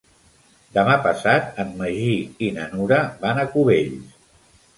Demà passat en Magí i na Nura van a Cubells.